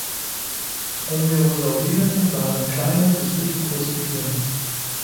Dromaeosauriden waren kleine bis mittelgroße Tiere.